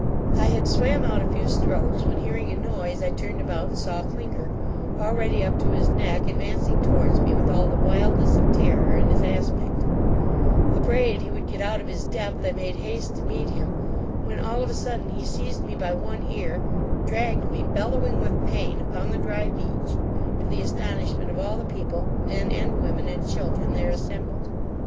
I had swam out a few strokes, when hearing a noise, I turned about and saw Clinker, already up to his neck, advancing towards me, with all the wildness of terror in his aspect Afraid he would get out of his depth, I made haste to meet him, when, all of a sudden, he seized me by one ear, dragged me bellowing with pain upon the dry beach, to the astonishment of all the people, men, and women, and children there assembled.